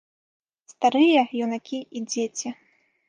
Старыя, юнакі і дзеці.